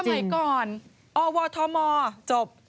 สมัยก่อนโอ้วอลทอมมอร์จบ